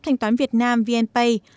thanh toán việt nam vnpay